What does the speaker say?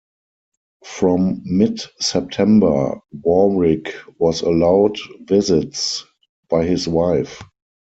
From mid-September Warwick was allowed visits by his wife.